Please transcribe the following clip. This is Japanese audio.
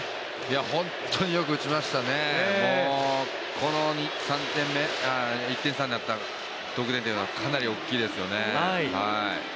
本当によく打ちましたね、この１点差になった得点というのはかなり大きいですよね。